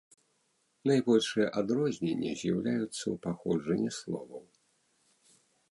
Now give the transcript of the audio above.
Найбольшыя адрозненні з'яўляюцца ў паходжанні словаў.